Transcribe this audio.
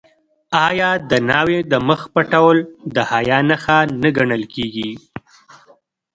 آیا د ناوې د مخ پټول د حیا نښه نه ګڼل کیږي؟